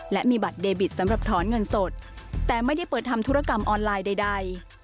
และมีบัตรเดบิตสำหรับถอนเงินสดแต่ไม่ได้เปิดทำธุรกรรมออนไลน์ใด